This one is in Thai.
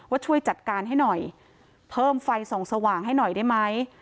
ช่วยจัดการให้หน่อยเพิ่มไฟส่องสว่างให้หน่อยได้ไหม